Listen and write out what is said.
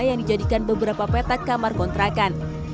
yang dijadikan beberapa petak kamar kontrakan